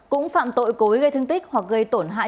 cũng phạm tội cố ý gây thương tích hoặc gây tổn hại